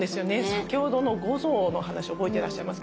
先ほどの五臓のお話覚えていらっしゃいますかね。